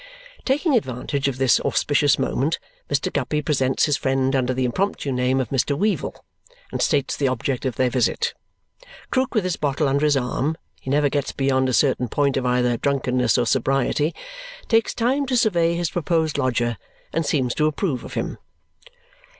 Taking advantage of this auspicious moment, Mr. Guppy presents his friend under the impromptu name of Mr. Weevle and states the object of their visit. Krook, with his bottle under his arm (he never gets beyond a certain point of either drunkenness or sobriety), takes time to survey his proposed lodger and seems to approve of him.